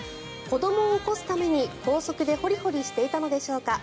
子どもを起こすために高速でホリホリしていたのでしょうか。